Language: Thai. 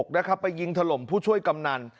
แล้วขับไปยิงทะลมผู้ช่วยกำนัน